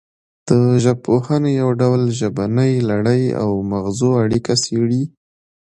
د ژبپوهنې یو ډول د ژبنۍ لړۍ او مغزو اړیکه څیړي